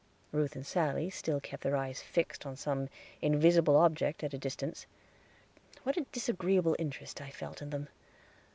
Ruth and Sally still kept their eyes fixed on some invisible object at a distance. What a disagreeable interest I felt in them!